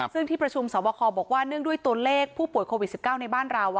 ซึ่งที่ประชุมสอบคอบอกว่าเนื่องด้วยตัวเลขผู้ป่วยโควิด๑๙ในบ้านเรา